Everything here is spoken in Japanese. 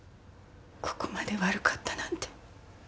ここまで悪かったなんて。